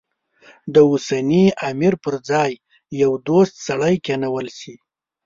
د اوسني امیر پر ځای یو دوست سړی کېنول شي.